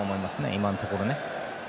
今のところは。